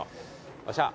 よっしゃ。